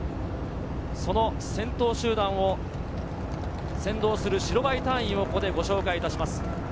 その先頭集団を先導する白バイ隊員をここでご紹介します。